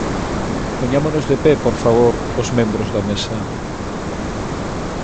Poñámonos de pé, por favor, os membros da Mesa.